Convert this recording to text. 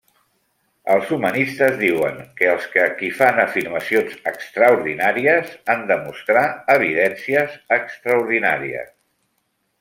Els humanistes diuen que els qui fan afirmacions extraordinàries han de mostrar evidències extraordinàries.